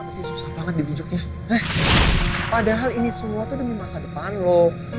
kenapa sih susah banget dibujuknya eh padahal ini semua tuh demi masa depan lo